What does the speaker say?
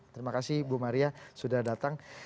terima kasih bu maria sudah datang